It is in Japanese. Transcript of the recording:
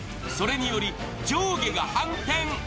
それにより上下が反転。